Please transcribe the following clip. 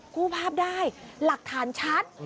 กู้ภาพได้หลักฐานชัด